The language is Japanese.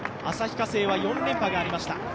旭化成は４連覇がありました。